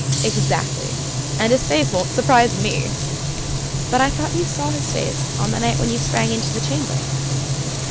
"Exactly! And his face won't surprise me!" "But I thought you saw his face on the night when you sprang into the chamber?"